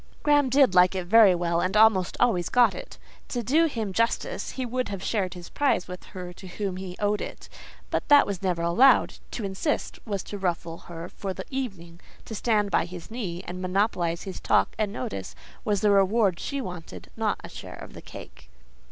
Graham did like it very well, and almost always got it. To do him justice, he would have shared his prize with her to whom he owed it; but that was never allowed: to insist, was to ruffle her for the evening. To stand by his knee, and monopolize his talk and notice, was the reward she wanted—not a share of the cake.